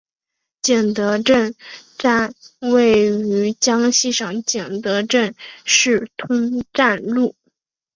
景德镇站位于江西省景德镇市通站路。